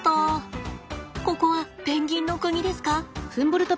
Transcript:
ここはペンギンの国ですか？